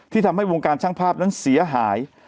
ทำให้วงการช่างภาพนั้นเสียหาย